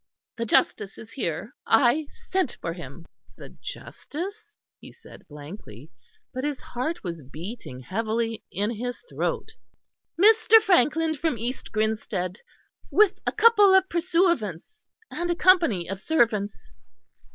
The Justice is here. I sent for him." "The Justice?" he said blankly; but his heart was beating heavily in his throat. "Mr. Frankland from East Grinsted, with a couple of pursuivants and a company of servants.